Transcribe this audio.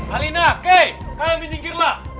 alina kei kalian menyingkirlah